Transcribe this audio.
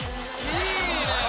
いいね！